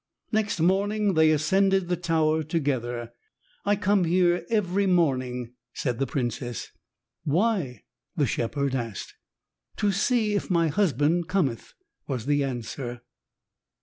Next morning they ascended the tower together. "I come here every morning," said the princess. "Why?" the shepherd asked. "To see if my husband cometh," was the answer.